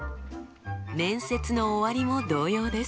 面接の終わりも同様です。